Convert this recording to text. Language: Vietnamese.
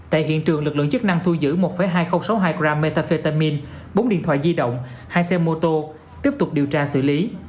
tại hiện trường lực lượng chức năng thu giữ một hai nghìn sáu mươi hai gram metafetamin bốn điện thoại di động hai xe mô tô tiếp tục điều tra xử lý